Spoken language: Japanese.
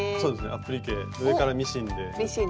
アップリケ上からミシンで縫って。